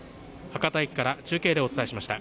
博多駅から中継でお伝えしました。